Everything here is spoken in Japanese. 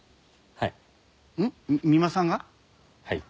はい。